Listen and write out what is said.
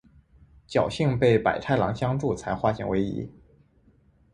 侥幸被百太郎相助才化险为夷。